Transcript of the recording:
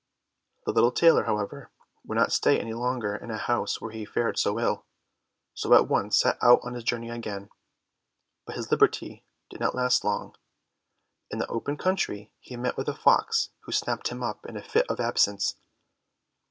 The little tailor, however, would not stay any longer in a house where he fared so ill, so at once set out on his journey again. But his liberty did not last long. In the open country he met with a fox who snapped him up in a fit of absence.